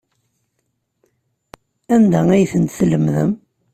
Anda ay tent-tlemdem?